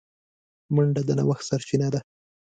منډه د نوښت سرچینه ده